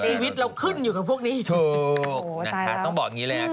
ชีวิตเราขึ้นอยู่กับพวกนี้โอ้โฮตายแล้วต้องบอกอย่างนี้เลยนะฮะ